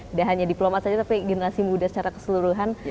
tidak hanya diplomat saja tapi generasi muda secara keseluruhan